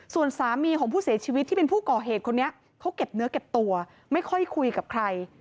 ส่วนสามีของผู้เสียชีวิตที่เป็นผู้ก่อเหตุคนนี้เขาเก็บเนื้อเก็บตัวไม่ค่อยคุยกับใคร